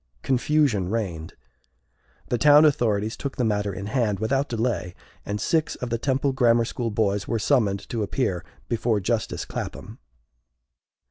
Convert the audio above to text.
Confusion reigned. The town authorities took the matter in hand without delay, and six of the Temple Grammar School boys were summoned to appear before justice Clapbam.